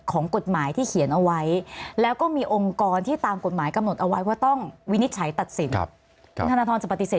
ของกฎหมายที่เขียนเอาไว้แล้วก็มีองค์กรที่ตามกฎหมายกำหนดเอาไว้ว่าต้องวินิจฉัยตัดสินคุณธนทรจะปฏิเสธ